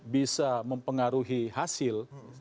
bisa mempengaruhi hasil